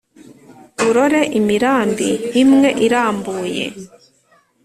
urore imirambi imwe irambuye